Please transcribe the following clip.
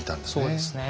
そうですね。